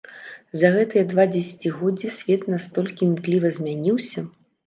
За гэтыя два дзесяцігоддзі свет настолькі імкліва змяніўся!